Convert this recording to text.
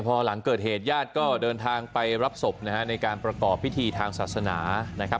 พอหลังเกิดเหตุญาติก็เดินทางไปรับศพนะฮะในการประกอบพิธีทางศาสนานะครับ